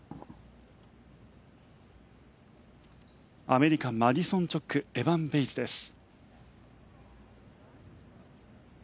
アメリカマディソン・チョックエヴァン・ベイツです。